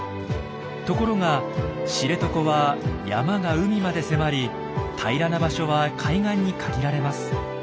ところが知床は山が海まで迫り平らな場所は海岸に限られます。